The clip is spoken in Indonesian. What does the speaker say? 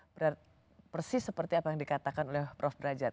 berarti persis seperti apa yang dikatakan oleh prof derajat